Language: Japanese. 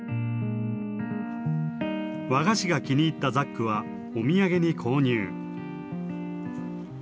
和菓子が気に入ったザックはお土産に購入。